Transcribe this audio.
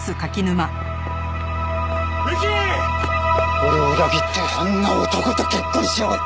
俺を裏切ってあんな男と結婚しやがって！